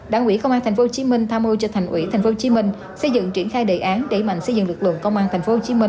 đảng quỹ công an tp hcm tham mưu cho thành ủy tp hcm xây dựng triển khai đề án đẩy mạnh xây dựng lực lượng công an tp hcm